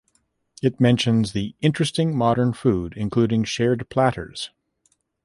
It mentions the "interesting modern food including shared platters".